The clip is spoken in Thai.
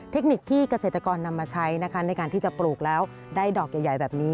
เทคนิคที่เกษตรกรนำมาใช้นะคะในการที่จะปลูกแล้วได้ดอกใหญ่แบบนี้